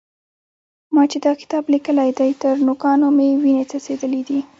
ما چې دا کتاب لیکلی دی؛ تر نوکانو مې وينې څڅېدلې دي.